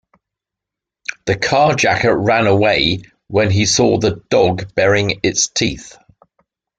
The carjacker ran away when he saw the dog baring its teeth.